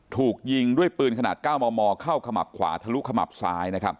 ถูกยิงด้วยปืนขนาด๙มมเข้าขมับขวาทะลุขมับซ้าย